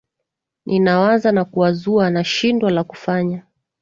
Ninawaza na kuwazua, nashindwa la kufanya